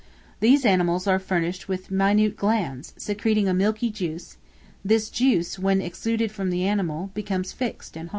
These animals are furnished with minute glands, secreting a milky juice; this juice, when exuded from the animal, becomes fixed and hard.